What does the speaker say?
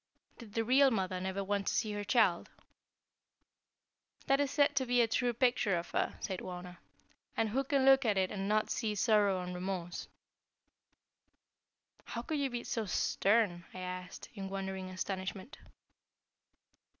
"Did the real mother never want to see her child?" "That is said to be a true picture of her," said Wauna; "and who can look at it and not see sorrow and remorse." "How could you be so stern?" I asked, in wondering astonishment.